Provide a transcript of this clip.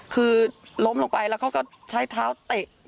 คือล้มลงไปแล้วเขาก็ใช้เท้าเตะ